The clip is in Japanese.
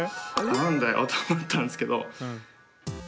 なんだよと思ったんですけど。